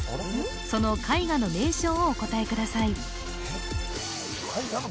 その絵画の名称をお答えください